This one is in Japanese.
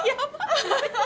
アハハハ。